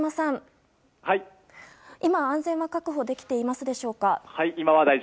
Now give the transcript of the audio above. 今、安全は確保できていますでしょうか。